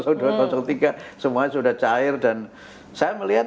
itu sudah cair dan saya melihat